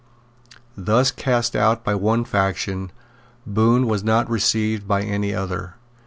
Thus cast out by one faction, Bohun was not received by any other.